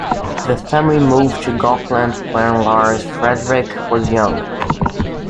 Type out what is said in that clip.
The family moved to Gotland when Lars Fredrik was young.